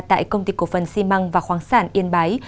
tại công ty cổ phần xi măng và khoáng sản yên bái